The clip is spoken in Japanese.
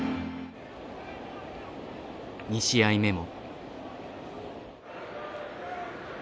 ２試合目も。